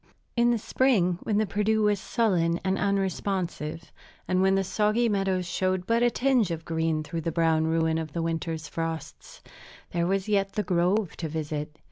In the spring, when the Perdu was sullen and unresponsive, and when the soggy meadows showed but a tinge of green through the brown ruin of the winter's frosts, there was yet the grove to visit.